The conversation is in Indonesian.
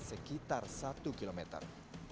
sekitar satu kilometer